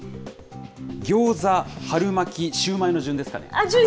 ギョーザ、春巻き、シューマイの順ですかね。